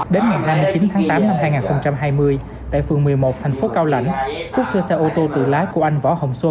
đến ngày hai mươi chín tháng tám năm hai nghìn hai mươi tại phường một mươi một thành phố cao lãnh quốc thuê xe ô tô tự lái của anh võ hồng xuân